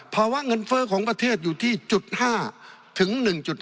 ภาวะเงินเฟ้อของประเทศอยู่ที่๕ถึง๑๕